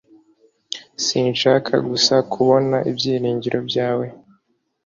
Sinshaka gusa kubona ibyiringiro byawe